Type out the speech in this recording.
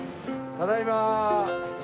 ただいま。